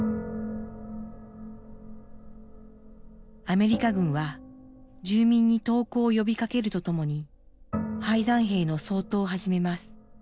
アメリカ軍は住民に投降を呼びかけるとともに敗残兵の掃討を始めます。